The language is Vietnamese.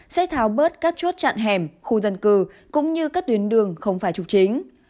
sẽ tháo bớt các chốt chặn hẻm khu dân cư cũng như các tuyến đường không phải trục chính